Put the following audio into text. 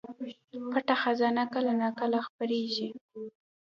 پټه خبره کله نا کله خپرېږي